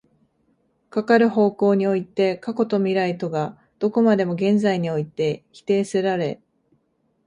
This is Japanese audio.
かかる方向において過去と未来とがどこまでも現在において否定せられ、